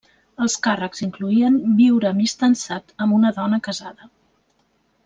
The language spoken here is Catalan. Els càrrecs incloïen viure amistançat amb una dona casada.